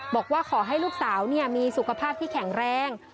บอกว่าขอให้ลูกสาวมีสุขภาพที่แข็งแรง